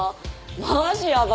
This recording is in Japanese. マジやば！